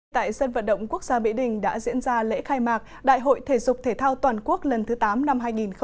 tại sân vận động quốc gia mỹ đình đã diễn ra lễ khai mạc đại hội thể dục thể thao toàn quốc lần thứ tám năm hai nghìn một mươi chín